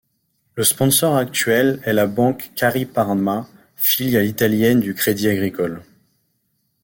Le sponsor actuel est la banque Cariparma, filiale italienne du Crédit agricole.